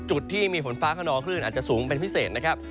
จุดที่มีฝนฟ้าขนองคลื่นอาจจะสูงเป็นพิเศษนะครับ